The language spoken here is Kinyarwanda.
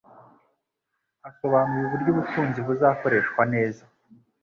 Asobanuye uburyo ubutunzi buzakoreshwa neza